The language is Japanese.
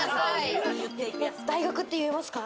大学って言えますか？